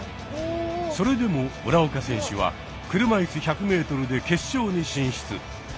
それでも村岡選手は車いす１００ｍで決勝に進出。